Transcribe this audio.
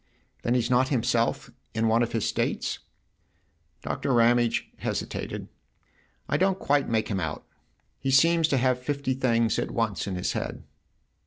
" Then he's not himself in one of his states ?" Doctor Ramage hesitated. " I don't quite make him out. He seems to have fifty things at once in his head."